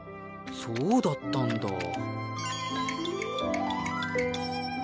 そうだったんだ。